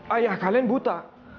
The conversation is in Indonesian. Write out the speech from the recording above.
ayah kalian buta